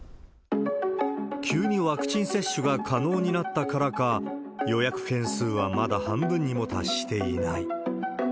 急にワクチン接種が可能になったからか、予約件数はまだ半分にも達していない。